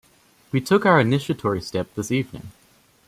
We took our initiatory step this evening.